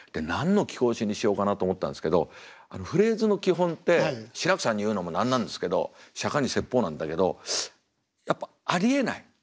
何の貴公子にしようかなと思ったんですけどフレーズの基本って志らくさんに言うのも何なんですけど「釈迦に説法」なんだけどやっぱありえない